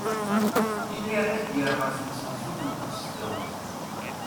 Imiren ad yerr ɣer temsensut n tesdawit.